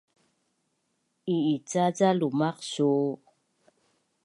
I’ica ca lumaq su’u?